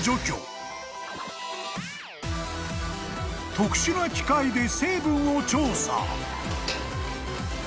［特殊な機械で成分を調査］